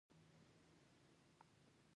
هایکو د جاپاني ادب یو صنف دئ.